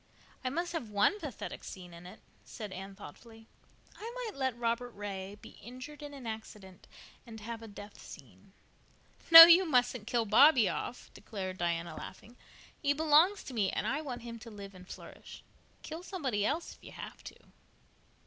"I must have one pathetic scene in it," said Anne thoughtfully. "I might let Robert Ray be injured in an accident and have a death scene." "No, you mustn't kill Bobby off," declared Diana, laughing. "He belongs to me and I want him to live and flourish. Kill somebody else if you have to."